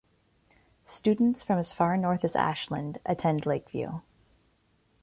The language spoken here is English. Students from as far north as Ashland attend Lakeview.